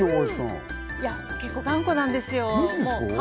結構、頑固なんですよ。